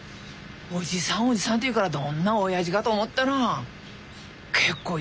「おじさんおじさん」っていうからどんなおやじかと思ったら結構いい男でないかい？